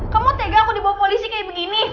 kamu tega aku dibawa polisi kayak begini